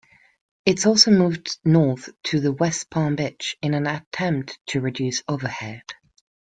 It also moved north to West Palm Beach in an attempt to reduce overhead.